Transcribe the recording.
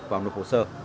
vào nội hồ sơ